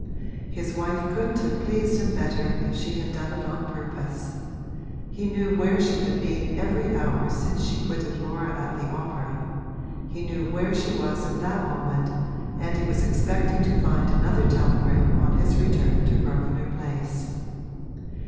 His wife couldn't have pleased him better if she had done it on purpose; he knew where she had been every hour since she quitted Laura at the opera he knew where she was at that moment and he was expecting to find another telegram on his return to Grosvenor Place.